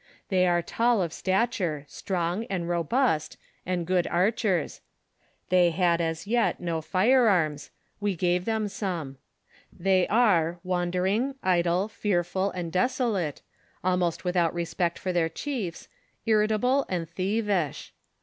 They are tall of stature, strong, and robust, and good archers ; thev had as yet, no firearms ; we gave them some. They are, wander ing, idle, fearful, and desolate, almost without respect for their chiefs, irritable, and thievish.